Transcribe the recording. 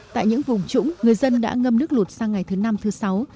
tại những vùng trũng người dân đã ngâm nước lụt sang ngày thứ năm thứ sáu